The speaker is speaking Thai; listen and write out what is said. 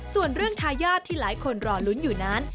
ส่วนเรื่องทายาทที่หลายคนรอลุ้นอยู่นั้น